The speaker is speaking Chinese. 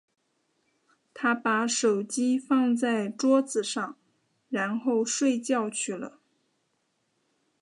她把手机放在桌子上，然后睡觉去了。